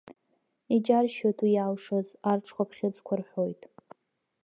Иџьаршьоит уи иалшаз, арҽхәаԥхьыӡқәа рҳәоит.